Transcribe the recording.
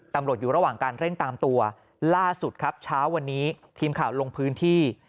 ตำรวจอยู่ระหว่างการเร่งตามตัวล่าสุดครับเช้าวันนี้ทีมข่าวลงพื้นที่